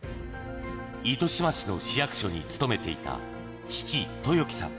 糸島市の市役所に勤めていた父、豊樹さん。